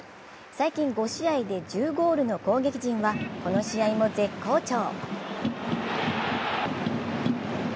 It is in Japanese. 最近５試合で１０ゴールの攻撃陣はこの試合も絶好調。